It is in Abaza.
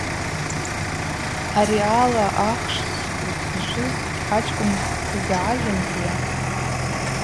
Ари ала ахш зжвыз ачкӏвын дызгӏажвымдйа.